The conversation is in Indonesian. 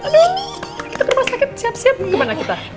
kita ke rumah sakit siap siap kemana kita